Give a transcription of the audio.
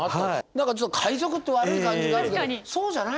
なんかちょっと海賊って悪い感じがあるけどそうじゃない？